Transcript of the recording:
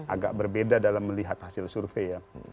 agak berbeda dalam melihat hasil survei ya